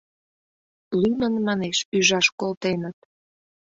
— Лӱмын, манеш, ӱжаш колтеныт.